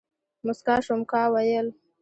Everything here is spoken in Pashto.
موسکا شوم ، کا ويل ،